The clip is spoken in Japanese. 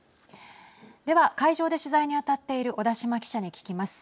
では、会場で取材に当たっている小田島記者に聞きます。